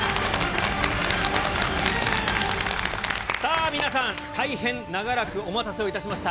さあ、皆さん、大変長らくお待たせをいたしました。